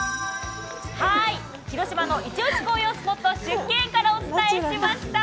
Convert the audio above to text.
広島の「イチオシ紅葉スポット」縮景園からお伝えしました。